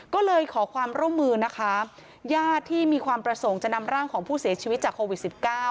ก็เลยขอความร่วมมือนะคะญาติที่มีความประสงค์จะนำร่างของผู้เสียชีวิตจากโควิด๑๙